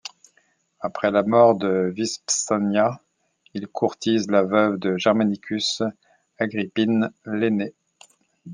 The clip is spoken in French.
Après la mort de Vipsania, il courtise la veuve de Germanicus, Agrippine l'Aînée.